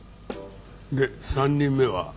で３人目は？